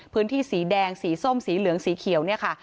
พื้นที่สีแดงสีส้มสีเหลืองสีเขียวเนี่ยค่ะ